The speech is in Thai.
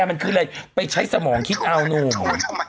มันคืออะไรไปใช้สมองคิดเอานุ่ม